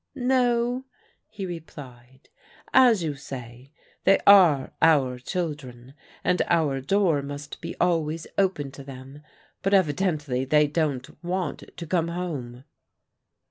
" No," he replied. "As you say, they are our children, and our door must be always open to them, but evidently they don't want to come home."